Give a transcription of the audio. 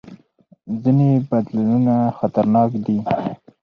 ځینې بدلونونه خطرناک دي.